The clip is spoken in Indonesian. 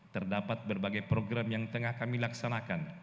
terdapat berbagai program yang tengah kami laksanakan